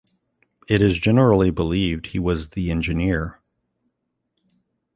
It is generally believed he was the engineer.